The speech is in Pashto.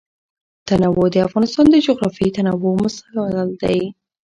تنوع د افغانستان د جغرافیوي تنوع مثال دی.